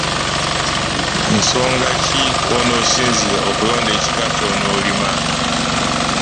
Nsonga ki kw’onaasinziira okulonda ekika ky’onaalima?